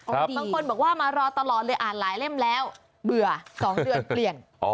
บางคนบอกว่ามารอตลอดเลยอ่านหลายเล่มแล้วเบื่อ๒เดือนเปลี่ยน